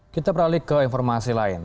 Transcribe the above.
kita beralih ke informasi lain